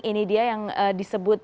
ini dia yang disebut